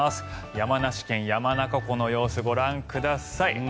山梨県・山中湖の様子ご覧ください。